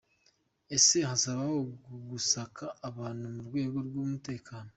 Ese hazabaho gusaka abantu mu rwego rw’umutekano ?